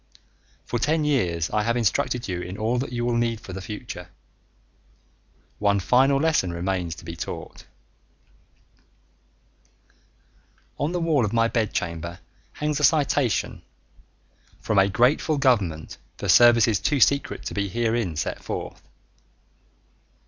For ten years I have instructed you in all that you will need for the future. One final lesson remains to be taught. On the wall of my bedchamber hangs a citation "from a grateful government for services too secret to be herein set forth."